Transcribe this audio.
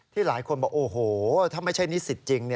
หลายคนบอกโอ้โหถ้าไม่ใช่นิสิตจริง